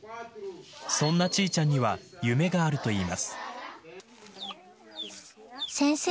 そんなチーチャンには夢があるといいます。